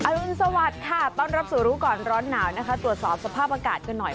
รุนสวัสดิ์ค่ะต้อนรับสู่รู้ก่อนร้อนหนาวนะคะตรวจสอบสภาพอากาศกันหน่อย